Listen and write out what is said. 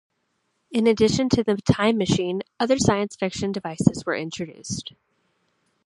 In addition to the time machine, other science fiction devices were introduced.